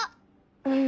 うん！